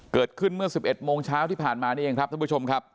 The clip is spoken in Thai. เกิดขึ้นเมื่อ๑๑โมงเช้าที่ผ่านมานี่เองครับท่านผู้ชมครับ